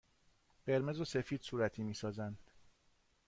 قرمز و سفید صورتی می سازند.